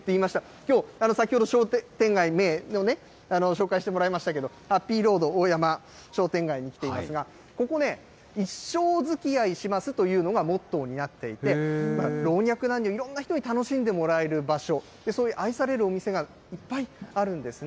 きょう、先ほど商店街名を紹介してもらいましたけれども、ハッピーロード大山商店街に来ていますが、ここね、一生づきあいしますというのがモットーになっていて、老若男女、いろんな人に楽しんでもらえる場所、そういう愛されるお店がいっぱいあるんですね。